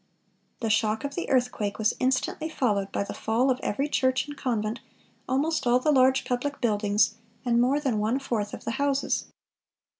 (481) "The shock" of the earthquake "was instantly followed by the fall of every church and convent, almost all the large public buildings, and more than one fourth of the houses.